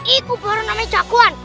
itu baru namanya jaguan